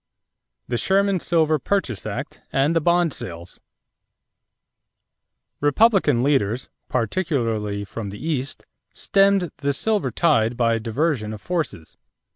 =The Sherman Silver Purchase Act and the Bond Sales.= Republican leaders, particularly from the East, stemmed the silver tide by a diversion of forces.